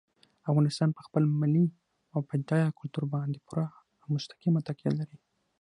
افغانستان په خپل ملي او بډایه کلتور باندې پوره او مستقیمه تکیه لري.